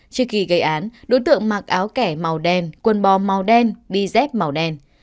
trước khi gây án đối tượng mặc áo kẻ màu đen quần bò màu đen bi dép màu đen